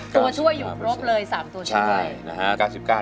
ตัวชั่วอยู่ครบเลย๓ตัวชั่ว